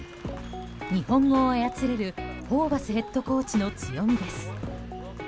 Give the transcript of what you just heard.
日本語を操れるホーバスヘッドコーチの強みです。